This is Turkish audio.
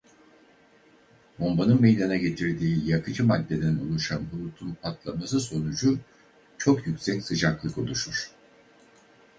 Bombanın meydana getirdiği yakıcı maddeden oluşan bulutun patlaması sonucu çok yüksek sıcaklık oluşur.